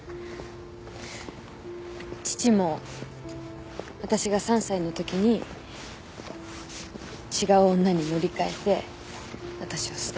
父も私が３歳の時に違う女に乗り換えて私を捨てた。